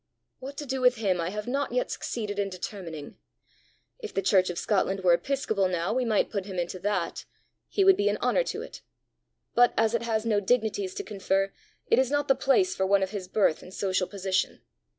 "What to do with him, I have not yet succeeded in determining. If the church of Scotland were episcopal now, we might put him into that: he would be an honour to it! But as it has no dignities to confer, it is not the place for one of his birth and social position.